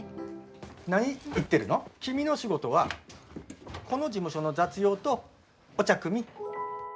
何言ってるの、君の仕事はこの事務所の雑用とお茶くみ。